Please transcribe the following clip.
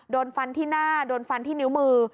โดนฟันที่หน้าโดนฟันที่นิ้วมือ